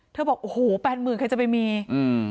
บอกโอ้โหแปดหมื่นใครจะไปมีอืม